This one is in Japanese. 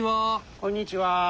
こんにちは。